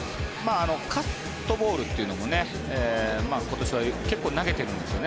カットボールというのも今年は結構投げてるんですよね。